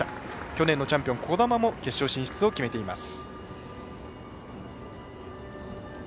去年のチャンピオン兒玉も決勝進出を決めています。